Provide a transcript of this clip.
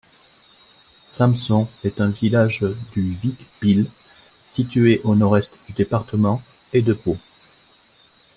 Samsons est un village du Vic-Bilh, situé au nord-est du département et de Pau.